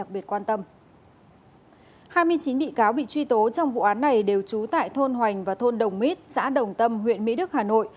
hai mươi chín bị cáo bị truy tố trong vụ án này đều trú tại thôn hoành và thôn đồng mít xã đồng tâm huyện mỹ đức hà nội